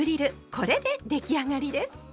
これで出来上がりです。